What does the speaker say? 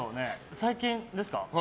最近ですか。